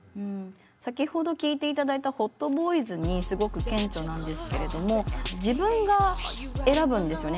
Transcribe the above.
先ほど聴いていただいた「ＨｏｔＢｏｙｚ」にすごく顕著なんですけれども自分が選ぶんですよね。